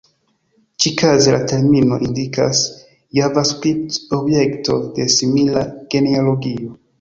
Ĉikaze la termino indikas Javascript-objekto de simila genealogio.